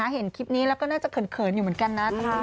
เห็นคลิปนี้แล้วก็น่าจะเขินอยู่เหมือนกันนะ